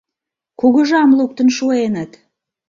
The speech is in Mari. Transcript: Кугыжам луктын шуэныт!